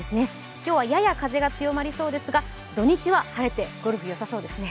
今日はやや風が強まりそうですが土日は晴れて、ゴルフよさそうですね。